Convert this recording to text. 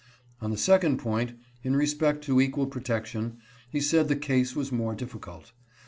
On the second point, in respect to equal pro tection, he said the case was more difficult.